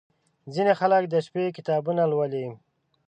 • ځینې خلک د شپې کتابونه لولي.